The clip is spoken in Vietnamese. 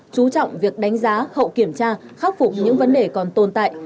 chú trọng việc đánh giá hậu kiểm tra khắc phục những vấn đề còn tồn tại